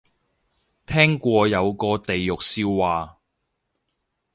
聽過有個地獄笑話